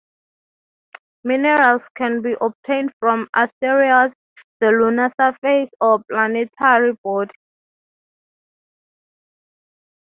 Minerals can be obtained from asteroids, the lunar surface, or a planetary body.